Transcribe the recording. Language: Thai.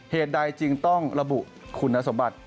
เหตุใดจึงต้องระบุคุณสมบัติ